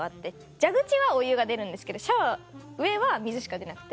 蛇口はお湯が出るんですけどシャワー上は水しか出なくて。